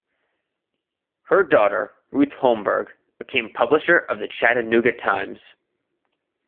Her daughter, Ruth Holmberg, became publisher of "The Chattanooga Times".